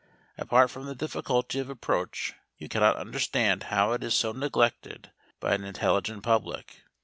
Apart from the difficulty of approach we cannot understand how it is so neglected by an intelligent public.